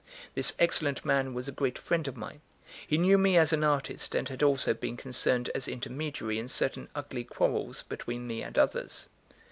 This excellent man was a great friend of mine; he knew me as an artist and had also been concerned as intermediary in certain ugly quarrels between me and others.